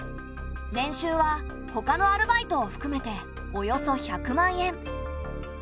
年収はほかのアルバイトをふくめておよそ１００万円。